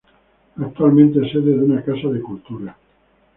Actualmente es sede de una casa de cultura.